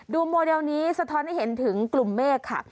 โมเดลนี้สะท้อนให้เห็นถึงกลุ่มเมฆค่ะ